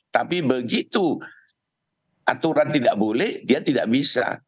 tapi begitu aturan tidak boleh dia tidak bisa